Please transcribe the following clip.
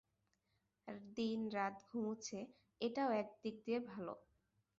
দিন-রাত ঘুমুচ্ছে এটাও এক দিক দিয়ে ভালো।